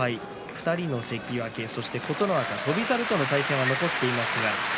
２人の関脇そして琴ノ若は翔猿との対戦が残っています。